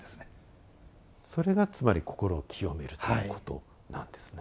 それがつまり心を清めるということなんですね。